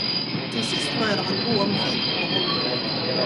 Till sist började han gå omkring på holmen.